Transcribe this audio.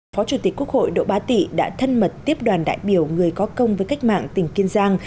phó chủ tịch quốc hội độ bá tị đã thân mật tiếp đoàn đại biểu người có công với cách mạng tỉnh kiên giang